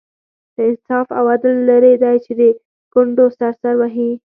له انصاف او عدل لرې دی چې د کونډو سر سر وهي.